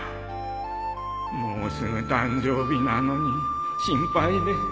もうすぐ誕生日なのに心配で死にそうだ！